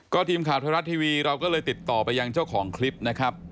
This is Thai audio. ทีมข่าวไทยรัฐทีวีเราก็เลยติดต่อไปยังเจ้าของคลิปนะครับ